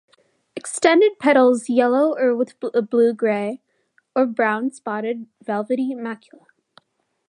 Extended petals, yellow or with a blue-grey or brown spotted velvety macula.